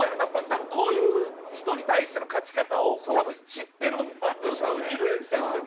多分こういう人に対しての勝ち方を多分知ってるんでしょうね。